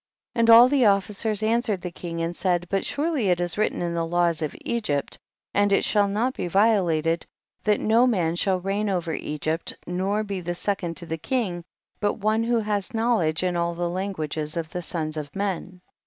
9. And all the officers answered the king and said, but surely it is written in the laws of Egypt, and it should not be violated, that no man shall reign over Egypt, nor be the second to the king, but one who has knowledge in all the languages of the sons of men.